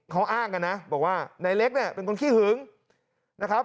เขาอ้างกันนะบอกว่านายเล็กเนี่ยเป็นคนขี้หึงนะครับ